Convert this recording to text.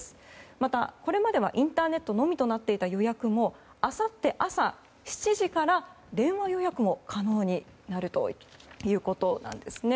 また、これまではインターネットのみとなっていた予約もあさって朝７時から電話予約も可能になるということです。